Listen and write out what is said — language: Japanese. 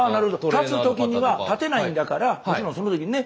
立つときには立てないんだからもちろんそのときにね。